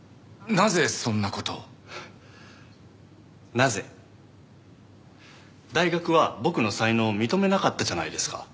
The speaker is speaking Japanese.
なぜ？大学は僕の才能を認めなかったじゃないですか。